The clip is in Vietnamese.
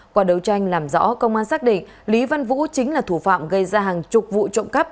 qua đấu tranh làm rõ công an xác định lý văn vũ chính là thủ phạm gây ra hàng chục vụ trộm cắp